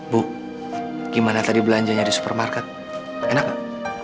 bu gimana tadi belanjanya di supermarket enak gak